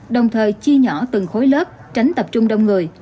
đồng thời chia nhỏ từng khối lớp tránh tập trung đông người